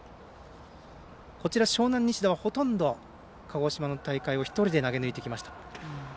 樟南、西田はほとんど、鹿児島の大会を１人で投げ抜いてきました。